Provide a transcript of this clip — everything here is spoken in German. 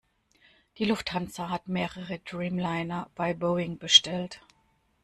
Die Lufthansa hat mehrere Dreamliner bei Boeing bestellt.